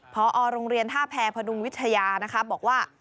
พอโรงเรียนท่าแพรพดุงวิทยานะคะบอกว่า